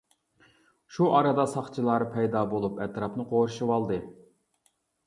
شۇ ئارىدا ساقچىلار پەيدا بولۇپ ئەتراپنى قورشىۋالدى.